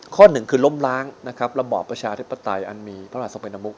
คือล้มล้างระบอบประชาธิปไตยอันมีพระราชสมัยนมุก